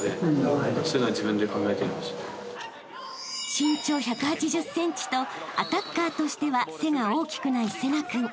［身長１８０ｃｍとアタッカーとしては背が大きくない聖成君］